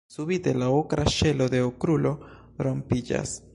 Subite, la okra ŝelo de Okrulo rompiĝas.